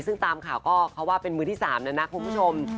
ซึ่งตามข่าวก็เขาว่าเป็นมือที่๓แล้วนะคุณผู้ชม